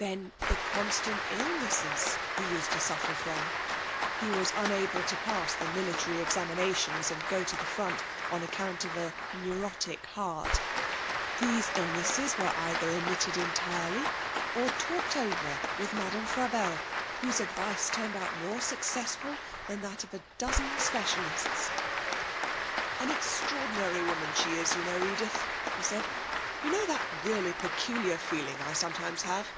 Then the constant illnesses that he used to suffer from he was unable to pass the military examination and go to the front on account of a neurotic heart these illnesses were either omitted entirely or talked over with Madame Frabelle, whose advice turned out more successful than that of a dozen specialists. 'An extraordinary woman she is, you know, Edith,' he said. 'You know that really peculiar feeling I sometimes have?'